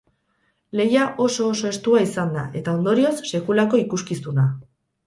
Lehia oso oso estua izan da eta ondorioz sekulako ikuskizuna.